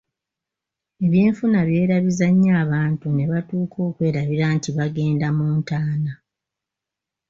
Ebyenfuna byerabiza nnyo abantu ne batuuka okwerabira nti bagenda mu ntaana.